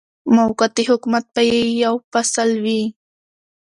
موقتي حکومت به یې یو فصل وي.